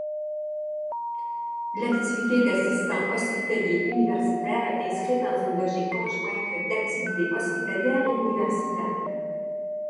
L'activité d'assistant hospitalier universitaire est inscrite dans une logique conjointe d'activités hospitalières et universitaires.